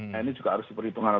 nah ini juga harus diperhitungkan